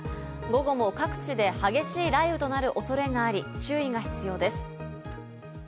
午後も各地で激しい雷雨となる恐れがあり、注意が必要です。